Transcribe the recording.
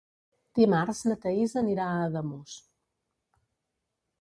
Dimarts na Thaís anirà a Ademús.